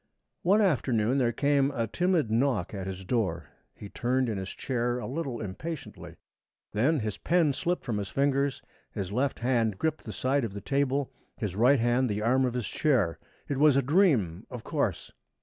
One afternoon there came a timid knock at his door. He turned in his chair a little impatiently. Then his pen slipped from his fingers. His left hand gripped the side of the table, his right hand the arm of his chair. It was a dream, of course!